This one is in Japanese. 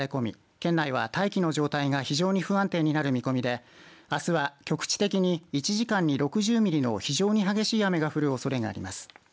県内は大気の状態が非常に不安定になる見込みであすは局地的に１時間に６０ミリの非常に激しい雨が降るおそれがあります。